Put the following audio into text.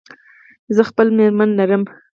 زه خپله مېرمن لرم.